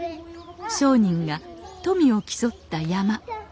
商人が富を競った山車。